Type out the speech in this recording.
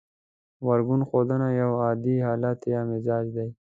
غبرګون ښودنه يو عادتي حالت يا مزاج دی.